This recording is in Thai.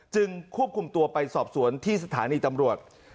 ควบคุมตัวไปสอบสวนที่สถานีตำรวจ